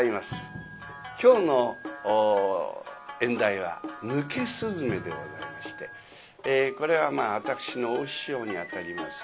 今日の演題は「抜け雀」でございましてこれはまあ私の大師匠にあたります